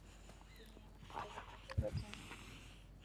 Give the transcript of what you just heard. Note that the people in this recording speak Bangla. তুমি আমার ভালবাসা ও আশীর্বাদ জেনো।